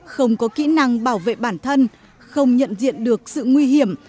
không có kỹ năng bảo vệ bản thân không nhận diện được sự nguy hiểm